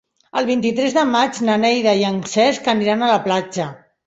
El vint-i-tres de maig na Neida i en Cesc aniran a la platja.